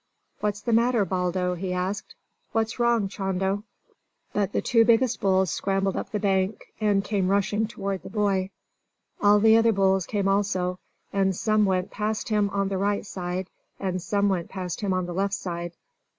"What's the matter, Baldo?" he asked. "What's wrong, Chando?" But the two biggest bulls scrambled up the bank, and came rushing toward the boy. All the other bulls came also, and some went past him on the right side, and some went past him on the left side.